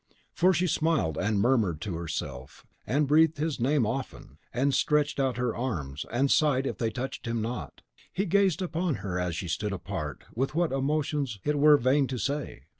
For she smiled and murmured to herself, and breathed his name often, and stretched out her arms, and sighed if they touched him not. He gazed upon her as he stood apart, with what emotions it were vain to say.